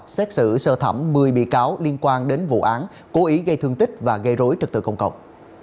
xét xử sơ thẩm một mươi bị cáo liên quan đến vụ án cố ý gây thương tích và gây rối trật tự công cộng